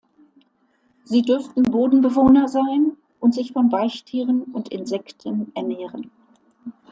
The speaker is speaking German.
Sie dürften Bodenbewohner sein und sich von Weichtieren und Insekten ernähren.